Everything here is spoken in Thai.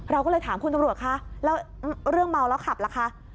เราก็เลยถามคุณตำรวจคะแล้วเรื่องเมาแล้วขับล่ะคะ